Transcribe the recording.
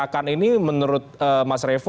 akan ini menurut mas revo